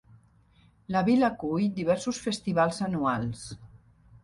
La vila acull diversos festivals anuals.